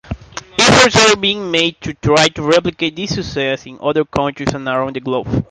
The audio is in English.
Efforts are being made to try to replicate this success in other countries and around the globe.